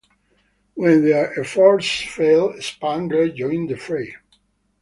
When their efforts failed, "Spangler" joined the fray.